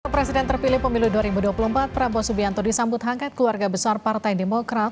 presiden terpilih pemilu dua ribu dua puluh empat prabowo subianto disambut hangat keluarga besar partai demokrat